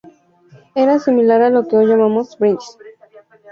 Era similar a lo que hoy llamamos brindis.